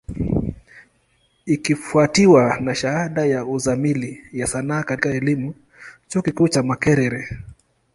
Ikifwatiwa na shahada ya Uzamili ya Sanaa katika elimu, chuo kikuu cha Makerere.